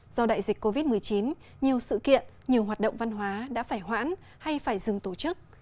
do đại dịch covid một mươi chín nhiều sự kiện nhiều hoạt động văn hóa đã phải hoãn hay phải dừng tổ chức